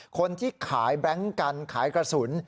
คนที่ขายแบล็งกันขายกระสุน